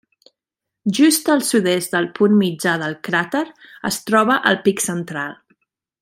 Just al sud-est del punt mitjà del cràter es troba el pic central.